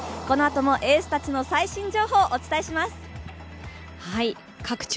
このあともエースたちの最新情報お伝えします。